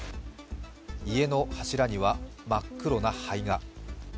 家の柱には、真っ黒な灰が。